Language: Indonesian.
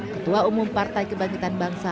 ketua umum partai kebangkitan bangsa